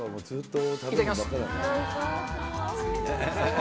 いただきます。